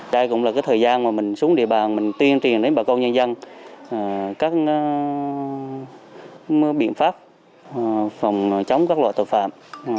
đây cũng là cái thời gian mà mình xuống địa bàn mình tuyên truyền đến bà con nhân dân các biện pháp phòng chống các loại tội phạm